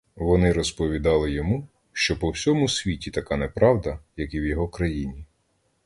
Вони розповідали йому, що по всьому світі така неправда, як і в його країні.